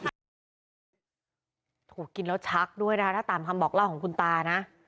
กินแล้วชักด้วยนะคะถ้าตามคำบอกเล่าของคุณตานะ